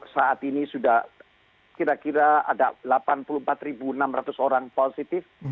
saat ini sudah kira kira ada delapan puluh empat enam ratus orang positif